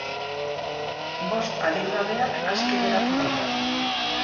Bost adingabeak aske geratu dira.